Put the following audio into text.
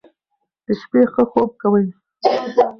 د شپې ښه خوب کوئ.